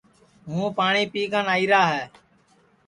ہوں پاٹؔی پی کن آئیرا ہے